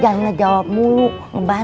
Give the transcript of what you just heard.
jangan menjawab saya